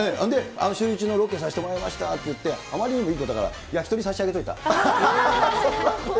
シューイチのロケさせてもらいましたって言って、あまりにも言い方だから、焼き鳥さしあげといた。